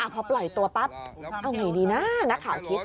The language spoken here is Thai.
พอปล่อยตัวปั๊บเอาไงดีนะนักข่าวคิด